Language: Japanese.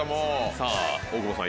さぁ大久保さん